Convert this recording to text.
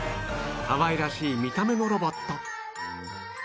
かわいらしい見た目のロボット